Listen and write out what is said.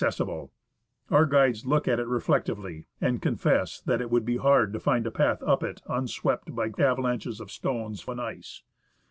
cessible ; our guides look at it reflectively, and confess that it would be hard to find a path up it unswept by avalanches of stones and ice.